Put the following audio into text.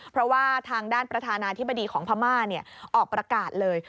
เพราะว่าทางด้านประธานาธิบดีของพม่าออกประกาศเลย